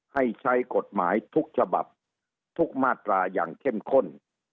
ให้ใช้กฎหมายทุกฉบับทุกมาตราอย่างเข้มข้น